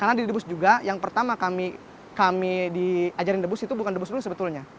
karena di debus juga yang pertama kami diajarin debus itu bukan debus dulu sebetulnya